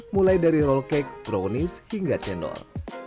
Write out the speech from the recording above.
mulai dari roll cake brownies hingga cendol